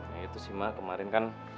ya itu sih mbak kemarin kan